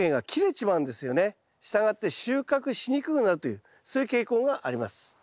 したがって収穫しにくくなるというそういう傾向があります。